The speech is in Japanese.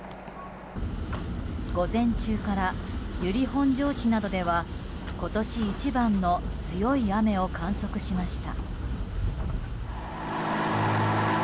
午前中から由利本荘市などでは今年一番の強い雨を観測しました。